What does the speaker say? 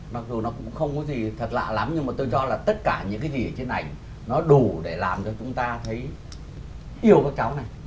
mặc dù nó cũng không có gì thật lạ lắm nhưng mà tôi cho là tất cả những cái gì ở trên ảnh nó đủ để làm cho chúng ta thấy yêu các cháu này